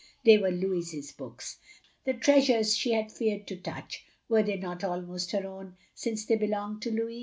They were Louis's books. The treasures she had feared to touch — ^were they not almost her own, since they belonged to Louis?